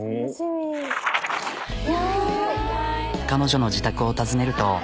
彼女の自宅を訪ねると。